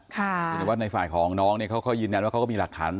แต่ว่าในฝ่ายของน้องเนี่ยเขาก็ยืนยันว่าเขาก็มีหลักฐาน